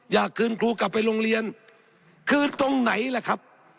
อยากคืนครูกลับไปโรงเรียนคืนตรงไหนล่ะครับ